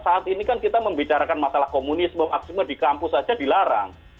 saat ini kan kita membicarakan masalah komunisme aksime di kampus saja dilarang